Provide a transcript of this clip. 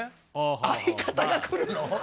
相方が来るの？